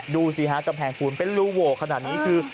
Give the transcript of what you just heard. ดูสิฮะกำแพงปูนเป็นรูโหวขนาดนี้คือ